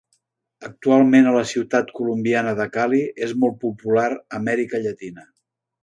Actualment a la ciutat colombiana de Cali, és molt popular a Amèrica Llatina.